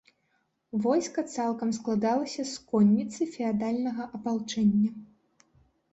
Войска цалкам складалася з конніцы феадальнага апалчэння.